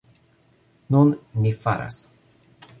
Nun, ni faras!